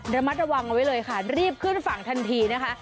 ระมัดระวังเอาไว้เลยค่ะรีบขึ้นฝั่งทันทีนะคะ